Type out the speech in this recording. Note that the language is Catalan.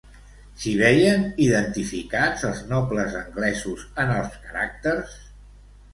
S'hi veien identificats els nobles anglesos en els caràcters?